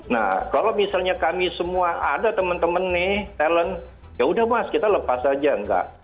nah kalau misalnya kami semua ada teman teman talent ya sudah mas kita lepas saja